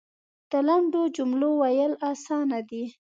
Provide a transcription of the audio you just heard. د لنډو جملو ویل اسانه دی .